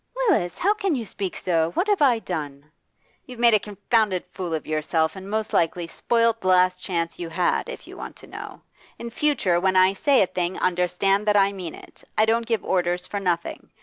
'Willis! How can you speak so! What have I done?' 'You've made a confounded fool of yourself, and most likely spoilt the last chance you had, if you want to know. In future, when I say a thing understand that I mean it; I don't give orders for nothing.